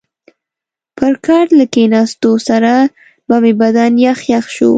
پر کټ له کښېنستو سره به مې بدن یخ یخ شو.